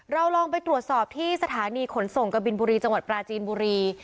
ลองไปตรวจสอบที่สถานีขนส่งกะบินบุรีจังหวัดปราจีนบุรี